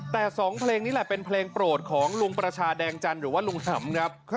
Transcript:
แต่สองเพลงนี้แหละเป็นเพลงโปรดของลุงประชาแดงจันทร์หรือว่าลุงสำครับ